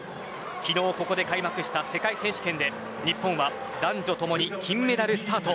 昨日ここで開幕した世界選手権で日本は男女ともに金メダルスタート。